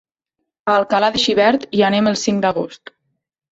A Alcalà de Xivert hi anem el cinc d'agost.